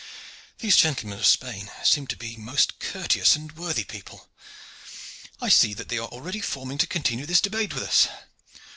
"These gentlemen of Spain seem to be most courteous and worthy people. I see that they are already forming to continue this debate with us.